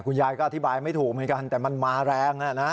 คุณยายก็อธิบายไม่ถูกเหมือนกันแต่มันมาแรง